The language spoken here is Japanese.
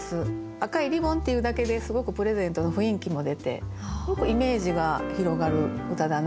「赤いリボン」っていうだけですごくプレゼントの雰囲気も出てすごくイメージが広がる歌だなと思いますね。